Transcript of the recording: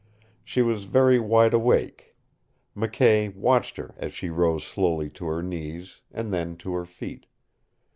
She was very wide awake. McKay watched her as she rose slowly to her knees, and then to her feet.